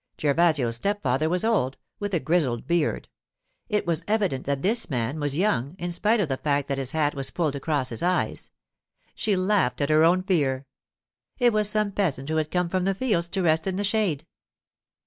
Gervasio's stepfather was old, with a grizzled beard; it was evident that this man was young, in spite of the fact that his hat was pulled across his eyes. She laughed at her own fear; it was some peasant who had come from the fields to rest in the shade.